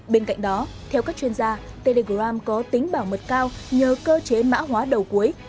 bên cạnh đó theo các chuyên gia telegram có tính bảo mật cao nhờ cơ chế mã hóa đầu cuối